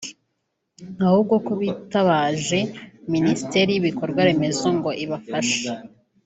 ahubwo ko bitabaje Ministere y’Ibikorwa Remezo ngo ibafashe